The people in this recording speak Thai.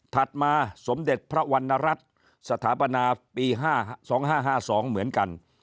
มาสมเด็จพระวรรณรัฐสถาปนาปี๒๕๕๒เหมือนกัน